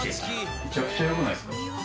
めちゃくちゃ良くないですか？